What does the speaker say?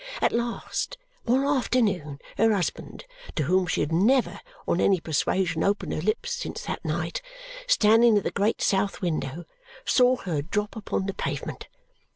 At last, one afternoon her husband (to whom she had never, on any persuasion, opened her lips since that night), standing at the great south window, saw her drop upon the pavement.